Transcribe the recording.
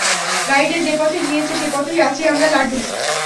গাড়িটা যে পথে গিয়েছে সে পথেই আছি আমরা, লাড্ডু।